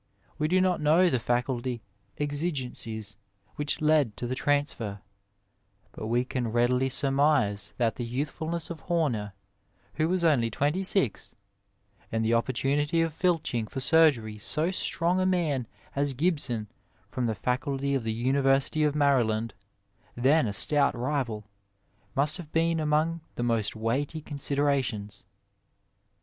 We do not know the faculty exigencies which led to the transfer, but we can readily surmise that the youthfulnesB of Homer, who was only twenty six, and the opportunity of filching for surgery so strong a man as Gibson fnnn the Faculty of the University of Maryland, then a stout rival, must have been among the most weighty con siderations.